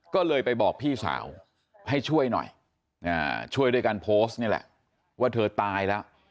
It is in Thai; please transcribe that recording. ก็เลยไปบอกพี่สาวให้ช่วยหน่อยช่วยด้วยกันนี่แหละว่าเธอทาย